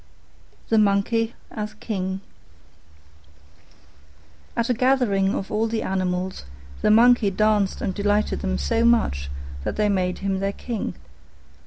THE MONKEY AS KING At a gathering of all the animals the Monkey danced and delighted them so much that they made him their King.